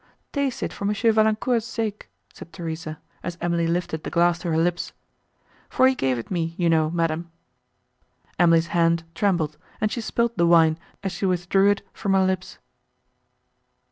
"Taste it for M. Valancourt's sake," said Theresa, as Emily lifted the glass to her lips, "for he gave it me, you know, madam." Emily's hand trembled, and she spilt the wine as she withdrew it from her lips.